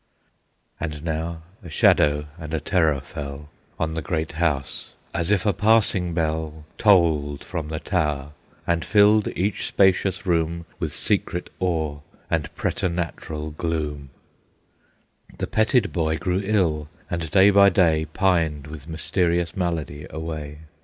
And now a shadow and a terror fell On the great house, as if a passing bell Tolled from the tower, and filled each spacious room With secret awe, and preternatural gloom; The petted boy grew ill, and day by day Pined with mysterious malady away.